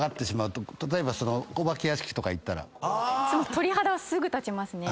鳥肌はすぐ立ちますね。